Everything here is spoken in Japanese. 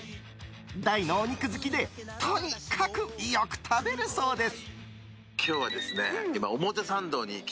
大のお肉好きでとにかく、よく食べるそうです。